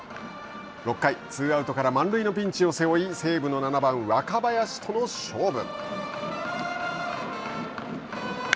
６回、ツーアウトから満塁のピンチを背負い西武の７番若林との勝負。